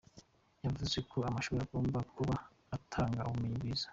Yavuze ko amashuri agomba kuba atanga ubumenyi bwiza.